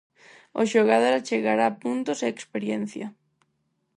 O xogador achegará puntos e experiencia.